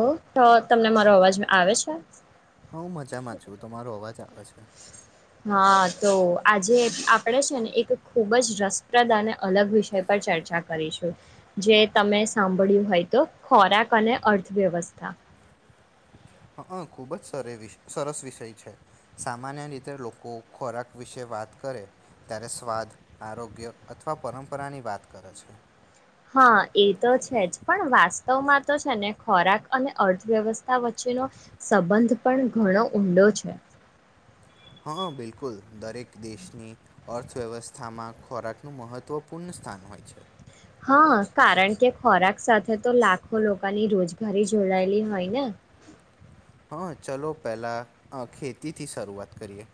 ઓ તો તમને મારો અવાજમાં આવે છે. હા હું મજામાં છું તમારો અવાજ આવે છે. અચ. હા તો આજે આપણે છે ને એક ખૂબ જ રસપ્રદ અને અલગ વિષય પર ચર્ચા કરીશું જે તમે સાંભળ્યું હોય તો ખોરાક અને અર્થવ્યવસ્થા. હ ખૂબ જ સરસ વિષય છે સામાન્ય રીતે લોકો ખોરાક વિશે વાત કરે ત્યારે સ્વાદ આરોગ્ય અથવા પરંપરાની વાત કરે છે. હા એ તો છે જ પણ વાસ્તવમાં તો છે ને ખોરાક અને અર્થવ્યવસ્થા વચ્ચેનો સંબંધ પણ ઘણો ઊંડો છે. હા બિલકુલ દરેક દેશની અર્થવ્યવસ્થામાં ખોરાકનું મહત્વપૂર્ણ સ્થાન હોય છે. હા કારણ કે ખોરાક સાથે તો લાખો લોકોની રોજગારી જોડાયેલી હોય ને. હં ચલો પહેલાં ખેતીથી શરૂઆત કરીએ.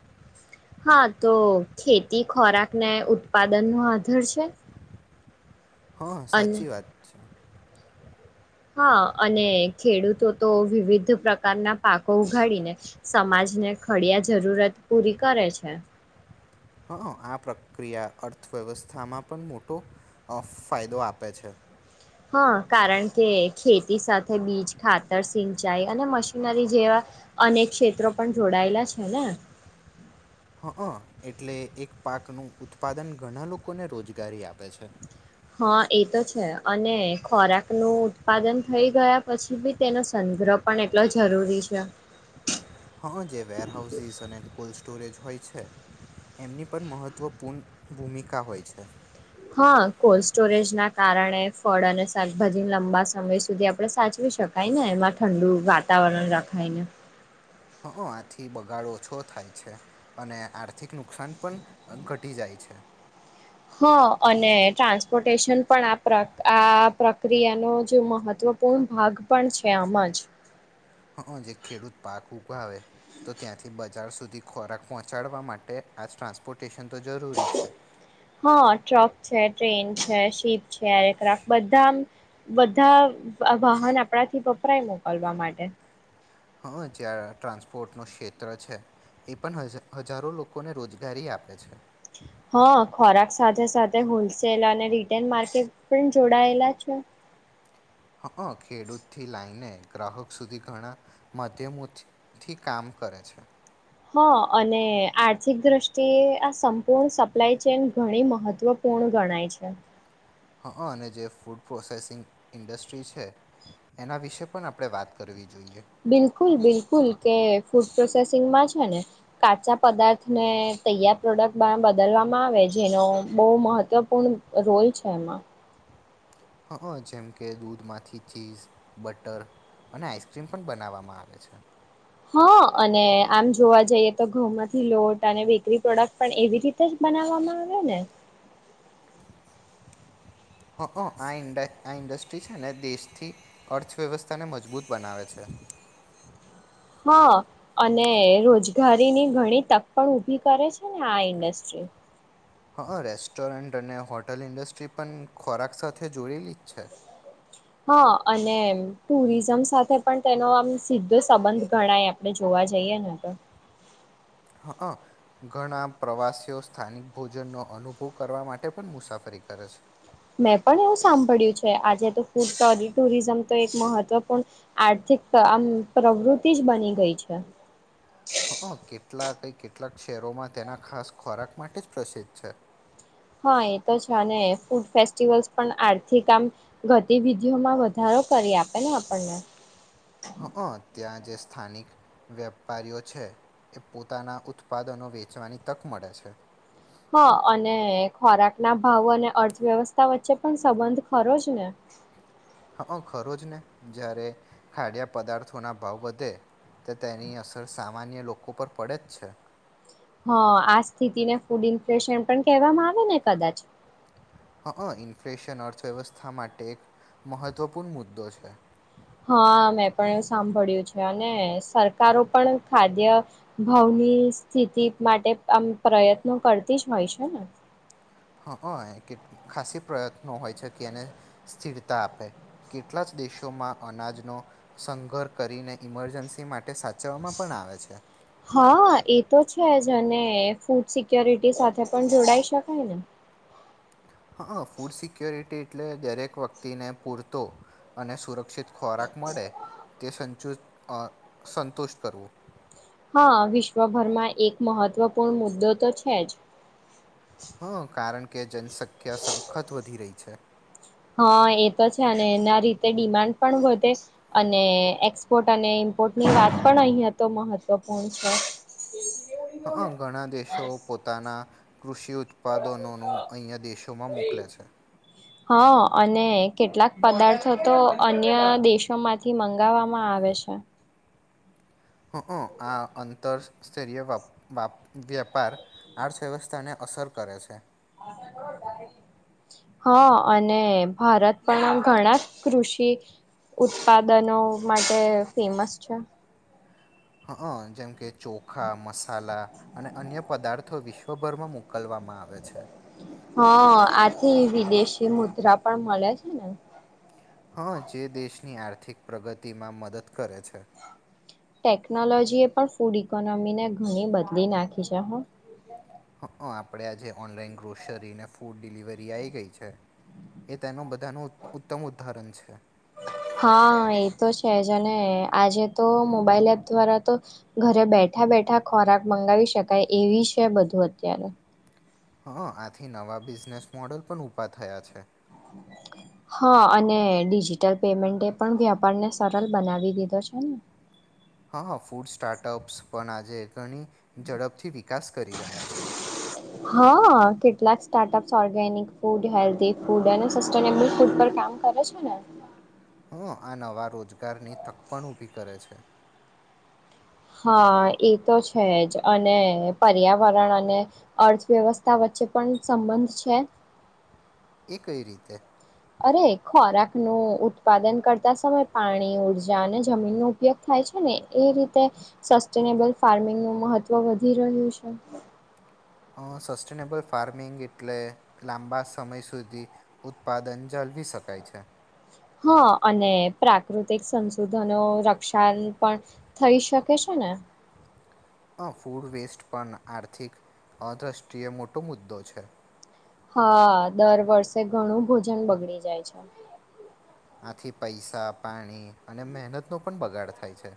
હા તો ખેતી ખોરાક ને ઉત્પાદન નો આધાર છે. હ અને સાચી વાત છે. હા અને ખેડૂતો તો વિવિધ પ્રકારના પાકો ઉગાડીને સમાજને ખડિયા જરૂરત પૂરી કરે છે. હા આ પ્રક્રિયા અર્થવ્યવસ્થામાં પણ મોટો ફાયદો આપે છે. હા કારણ કે ખેતી સાથે બીજ ખાતર સિંચાઈ અને મશીનરી જેવા અનેક ક્ષેત્રો પણ જોડાયેલા છે ને. હ એટલે એક પાકનુંું ઉત્પાદન ઘણા લોકોને રોજગારી આપે છે. હ એ તો છે અને ખોરાક ન ઉત્પાદન થઈ ગયા પછી બી તેનો સંગ્રહ પણ એટલો જરૂરી છે. હા જે વેર હાઉસીસ અને કોલ્. સ્ટોરેજ હોય છે એમની પણ મહત્ત્વપૂર્ણ ભૂમિકા હોય છે. હા કોલ્ડ સ્ટોરેજ ના કારણે ફળ અને શાકભાજી લાંબા સમય સુધી આપણે સાચવી શકાય ને એમાં ઠંડુ વાતાવરણ રખાયને. માંથી બગાડો ઓછો થાય છે અને આર્થિક નુકસાન પણ ઘટી જાય છે. હા અને ટ્રાન્સપોર્ટેશન પણ આ આ પ્રક્રિયાનો જે મહત્વપૂર્ણ ભાગ પણ છે આમ જ હ જે ખેડૂત પાક ઉગ આવે તો ત્યાંથી બજાર સુધી ખોરાક પહોંચાડવા માટે આ ટ્રાન્સપોર્ટેશન તો જરૂરી છે. હા ટ્રક છે ટ્રેન છે શીપ છે એક્રાફ બધા બધા વાહન આપણાથી વપરાય મોકલવા માટે હ જ્યાં ટ્રાન્સપોર્ટનું ક્ષેત્ર છે એ પણ હજારો લોકોને રોજગારી આપે છે. હા ખોરાક સાથે સાથે હોલસેલ અને રીટેલ માર્કેટ પણ જોડાયેલા છે. હ ખેડૂતથી લાઈને ગ્રાહક સુધી ઘણા મધ્યમથી કામ કરે છે. હા અને આર્થિક દ્રષ્ટિએ આ સંપૂર્ણ સપ્લાય ચેન ઘણી મહત્વપૂર્ણ ગણાય છે. હ અને જે ફૂડ પ્રોસેસિંગ ઇન્ડસ્ટ્રી છે એના વિશે પણ આપણે વાત કરવી જો બિલકુલ બિલકુલ કે ફૂ પ્રોસેસિંગમાં છે ને કાચા પદાર્થને તૈયાર પ્રોડક્ટ બદલવામાં આવે જેનો બહુ મહત્ત્વપૂર્ણ રોલ છે એમાં હ જેમ કે દૂધમાંથી ચીઝ બટર અને આઈસ્ક્રીમ પણ બનાવવામાં આવે છે. હા અને આમ જોવા જઈએ તો ઘઉ માંથી લોટ અને બેકરી પ્રોડક્ટ પણ એવી રીતે જ બનાવવામાં આવે ને હ આ આ ઇન્ડસ્ટ્રી છે ને દેશથી અર્થવ્યવસ્થાને મજબૂત બનાવે છે. હા અને રોજગારીની ઘણી તક પણ ઉઊભી કરે છે ને આ ઇન્ડસ્ટ્રી હા રેસ્ટોરન્ટ અને હોટલ ઇન્ડસ્ટ્રી પણ ખોરાક સાથે જોડેલી જ છે. હા અને ટુરિઝમ સાથે પણ તેનો આમ સીધો સંબંધ ગણાય આપણે જોવા જઈએ ને તો હ ઘણા પ્રવાસીઓ સ્થાનિક ભોજનનો અનુભવ કરવા માટે પણ મુસાફરી કરે છે. મેં પણ એવું સાંભળ્યું છે આજે તો ફૂડ ટુરિઝમ તો એક મહત્વપૂર્ણ આર્થિક આમ પ્રવૃતિ જ બની ગઈ છે. હ કેટલાક કેટલાક શહેરોમાં તેના ખાસ ખોરાક માટે જ પ્રસિદ્ધ છે. હા એ તો છે ફૂડ ફેસ્ટિવલ્સ પણ આર્થિક આમ ગતિવિધિઓમાં વધારો કરી આપે ને આપણને. હ ત્યાં જે સ્થાનિક વેપારીઓ છે એ પોતાના ઉત્પાદનો વેચવાની તક મળે છે. હા અને ખોરાક ના ભાવ અને અર્થવ્યવસ્થા વચ્ચે પણ સંબંધ ખરો જ ને અ ખરો જ ને જારે ખાડયા પદાર્થોના ભાવ વધે તો તેની અસર સામાન્ય લોકો પર પડે જ છે. હ આ સ્થિતિને ફૂડ ઇન્ફ્લેશન પણ કહેવામાં આવે ને કદાચ હ ઇન્ફ્લેશન અર્થવ્યવસ્થા માટે એક મહત્વપૂર્ણ મુદ્દો છે. હા મેં પણ એવું સાંભળ્યું છે અને સરકારો પણ ખાદ્ય ભાવની સ્થિતિ માટે આમ પ્રયત્નો કરતી જ હોય છે ને. હ હ કે ખાસી પ્રયત્નો હોય છે કે એને સ્થિરતા આપે કેટલા જ દેશોમાં અનાજનો સંઘર્હ કરીને ઈમરજન્સી માટે સાચવવામાં પણ આવે છે. હા એ તો છે જ અને ફૂડ સિક્યોરિટી સાથે પણ જોડાઈ શકાય ને. હા ફૂડ સિક્યુરિટીટે એટલે દરેક વ્યક્તિને પૂરતો અને સુરક્ષિત ખોરાક મળે તે સંચુ અ સંતુષ્ટ કરવો. હા વિશ્વભરમાં એક મહત્વપૂર્ણ મુદ્દો તો છે જ. હ કારણ કે જનસંખ્યા સખત વધી રહી અ છે. હા એ તો છે અને એના રીતે ડિમાન્ડ પણ વધે અને એક્સપોર્ટ અને ઇમ્પોર્ટની વાત પણ અહિયાં તો મહત્વપૂર્ણ છે. હ ઘણા દેશો પોતાના કૃષિ ઉત્પાદનોનું અહીંયા દેશોમાં મોકલે છે. હા અને કેટલાક પદાર્થો તો અન્ય દેશોમાંથી મંગાવવામાં આવે છે હ આ અંતરસ્તરીય વેપાર અર્થવ્યવસ્થાને અસર કરે છે હા અને ભારત પણ ઘણા કૃષિ ઉત્પાદનો માટે ફેમસ છે હા હ જેમ કે ચોખા મસાલા અને અન્ય પદાર્થ વિશ્વભરમાં મોકલવામાં આવે છે હા આથી વિદેશી મુદ્રા પણ મળે છે ને હા જે દેશની આર્થિક પ્રગતિમાં મદદ કરે છે ટેકનોલોજી એ પણ ફૂડ ઇકોનોમી ને ઘણી બદલી નાખી છે હ હ આપણે આજે ઓનલાઈન ગ્રોસરી અને ફૂડ ડિલિવરી આવી ગઈ છે એ તેનું બધું તેનું ઉત્તમ ઉદાહરણ છે ને આજે તો મોબાઈલ એપ દ્વારા તો ઘરે બેઠા બેઠા ખોરાક મંગાવી શકાય એવી છે બધું અત્યારે હા આથી નવા બિઝનેસ મોડલ પણ ઉભા થયા છે હા અને ડિજિટલ પેમેન્ટ એ પણ વ્યાપારને સરળ બનાવી દીધો છે ને હા હ ફૂડ સ્ટાર્ટઅપ્સ પણ આજે ઘણી ઝડપથી વિકાસ કરી રહ્યા છે હા કેટલાક startups organic food health food અને સબલ ફૂડ પર કામ કરે છે ને તો આ નવા રોજગારની તક પણણ ઊભી કરે છે હા એ તો છે જ અને પર્યાવરણ અને અર્થવ્યવસ્થા વચ્ચે પણ સંબંધ છે એ કઈ રીતે અરે ખોરાક નું ઉત્પાદન કરતા સમય પાણી ઉર્જા અને જમીનનો ઉપયોગ થાય છે ને એ રીતે સસ્ટેનેબલ ફાર્મિંગ ન મહત્વ વધી રહ્યું છે સસ્ટેનેબલ ફાર્મિંગ એટલે લાંબા સમય સુધી ઉત્પાદન જાળવી શકાય છે હા અને પ્રાકૃતિક સંશોધનો રક્ષણ પણ થઈ શકે છે ને આ ફૂડ વેસ્ટ પણ આર્થિક અદ્રષ્ટિય મોટો મુદ્દો છે હા દર વર્ષે ઘણું ભોજન બગડી જાય છે આથી પૈસા પાણી અને મહેનત નો પણ બગાડ થાય છે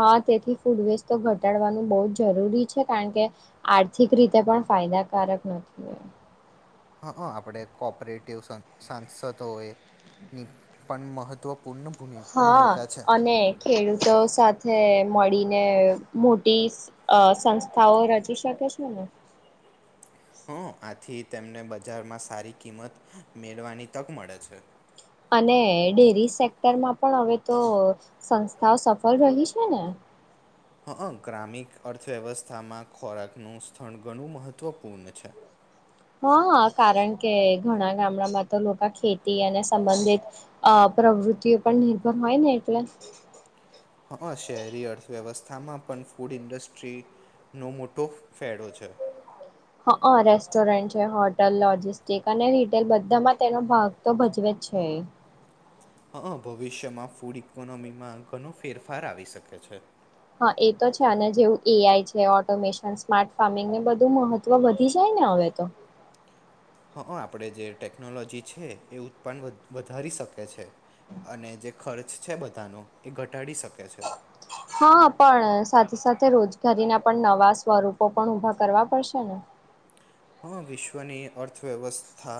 હા તેથી ફૂડ વેસ્ટ તો ઘટાડવાનું બહ જ જરૂરી છે કારણ કે આર્થિક રીતે પણ ફાયદાકારક નથી એ હા આપણે કોપરેટિવ સાંસદ એની પણ મહત્વ હા અને ખેડૂતો સાથે મળીને મોટી સંસ્થાઓ રચી શકે છે ને હ થી તેમને બજારમાં સારી કિંમત મેળવવાની તક મળે છે અને ડેરી સેક્ટર માં પણ હવે તો સંસ્થાઓ સફળ રહી છે ને હ ગ્રામિક અર્થવ્યવસ્થામાં ખોરાકનું સ્થળ ઘણું મહત્વપૂર્ણ છે હા કારણ કે ઘણા ગામડામાં તો લોકો ખેતી અને સંબંધિત પ્રવૃત્તિઓ પર નિર્ભર હોય ને એટલે હા શહેરી અર્થવ્યવસ્થામાં પણ ફૂડ ઇન્ડસ્ટ્રીનો મોટો ફાયડો છે હા રેસ્ટોરન્ટ છે હોટલ લોજિસ્ટિક અને રિટેલ બધામાં તેનો ભાગ તો ભજવે જ છે હ ભવિષ્યમાં ફૂડ ઈકોનોમીમાં ઘણો ફેરફાર આવી શકે છે હા એ તો છે અને જેવું એઆઈ છે ઓટોમેશન સ્માર્ટ ફાર્મિંગને બધું મહત્વ વધી જાય ને હવે તો હં આપણે જે ટેકનોલોજી છે એ ઉત્પન્ન વધારી શકે છે અને જે ખર્ચ છે બધાનો એ ઘટાડી શકે છે હા પણ સાથે સાથે રોજગારીના પણ નવા સ્વરૂપો પણ ઊભા કરવા પડશે ને હા વિશ્વનીય [inaudible] [unintelligible] [unintelligible] અર્થવ્યવસ્થા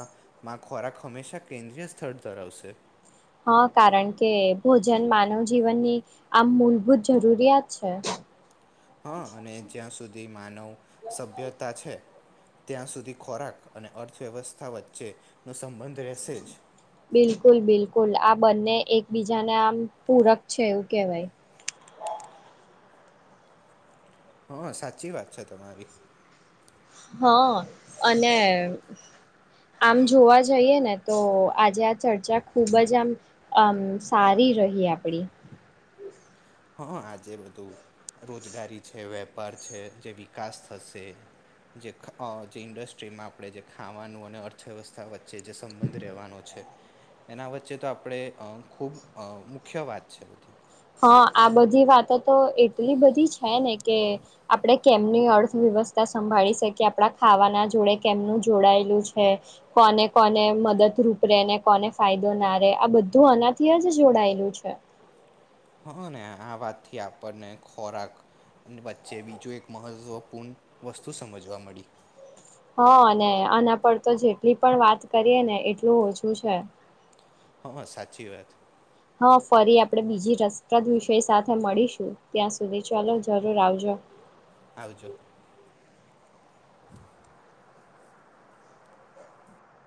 મા ખોરાક હંમેશા કેન્દ્રીય સ્થળ ધરાવશે હા કારણ કે ભોજન માનવ જીવનની આમ મૂળભૂત જરૂરિયાત છે. હા અને જ્યાં સુધી માનવ સભ્યતા છે. ત્યાં સુધી ખોરાક અને અર્થવ્યવસ્થા વચ્ચેનો સંબંધ રહેશે જ. બિલકુલ બિલકુલ આ બંને એકબીજાને આમ પૂરક છે એવું કેહેવાય. હા સાચી વાત છે તમારી. હા અને આમ જોવા જઈએ ને તો આજે આ ચર્ચા ખુબ જ આમ આમ સારી રહી આપડી. હા આજે બધું રોજગારી છે, વેપાર છે જે વિકાસ થશે જે જે ઇન્ડસ્ટ્રીમાં આપણે જે ખાવાનું અને અર્થવ્યવસ્થા વચે જે જે સંબંધ રહેવાનો છે. એના વચ્ચે તો આપણે ખૂબ મુખ્ય વાત છે બધી. હા આ બધી વાતો તો એટલી બધી છે ને કે આપણે કેમની અર્થવ્યવસ્થા સંભાળી શકીએ આપણા ખાવાના જોડે કેમનું જોડાયેલું છે, કોને કોને મદદરૂપ રે ને કોને ફાયદો ના રહેે આ બધું આનાથી જ જોડાયેલું છે. હા ને આ વાતથી આપણને ખોરાક વચ્ચે બીજું એક મહત્ત્વપૂર્ણ વસ્તુ સમજવા મળી. હા આના પર તો જેટલી પણ વાત કરીએ ને એટલું ઓછું છે. હા સાચી વાત. હા ફરી આપણે બીજી રસપ્રદ વિષય સાથે મળીશું ત્યાં સુધી ચાલો જરૂર આવજો. આવજો.